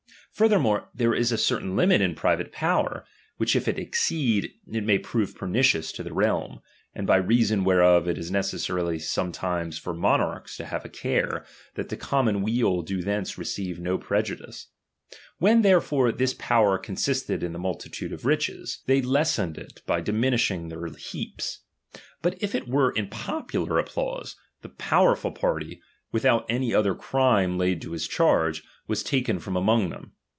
Furthermore, there is a certain limit in ■private power, which if it exceed, it may prove pernicious to the realm ; and by reason whereof it is necessary sometimes for monarchs to have a care, that the common weal do thence receive no prejudice. When therefore this power con !■ aisled in the multitude of riches, they lessened it I 134 DOMINION. ■i. by diminishing their heaps ; but if it were in popu lar applause, the powerful party, without any other crime laid to his charge, was taken from among them.